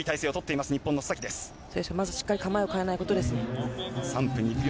まず構えを変えないことですね。